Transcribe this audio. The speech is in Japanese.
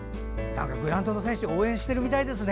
グラウンドの選手を応援しているみたいですね。